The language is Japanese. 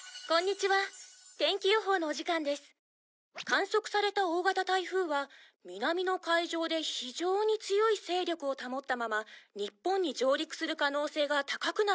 「観測された大型台風は南の海上で非常に強い勢力を保ったまま日本に上陸する可能性が高くなってきております」